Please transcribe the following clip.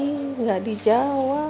ih gak dijawab